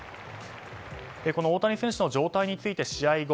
この大谷選手の状態について試合後